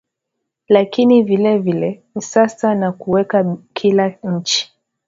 lakini vile vile sasa na kuweka kila nchi